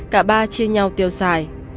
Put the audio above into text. cả ba chia nhau tiêu xài